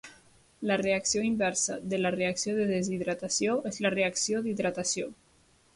La reacció inversa de la reacció de deshidratació, és la reacció d'hidratació.